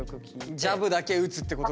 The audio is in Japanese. ジャブだけ打つってことか。